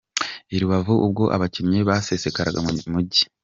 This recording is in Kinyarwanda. I Rubavu ubwo abakinnyi basesekaraga mu Mujyi.